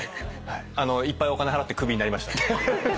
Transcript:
いっぱいお金払って首になりました。